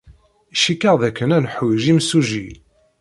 Cikkeɣ dakken ad neḥwij imsujji.